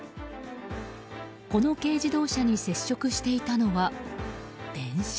この軽自動車に接触していたのは電車。